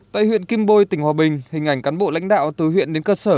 tại huyện kim bôi tỉnh hòa bình hình ảnh cán bộ lãnh đạo từ huyện đến cơ sở